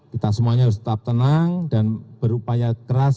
kita semuanya harus tetap tenang dan berupaya keras